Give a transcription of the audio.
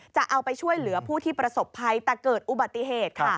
จะเอาไปช่วยเหลือผู้ที่ประสบภัยแต่เกิดอุบัติเหตุค่ะ